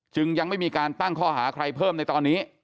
ยังไม่มีการตั้งข้อหาใครเพิ่มในตอนนี้